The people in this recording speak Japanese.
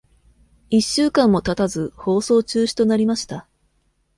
一週間も経たず、放送中止となりました。